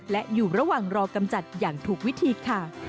และอยู่ระหว่างรอกำจัดอย่างถูกวิธีค่ะ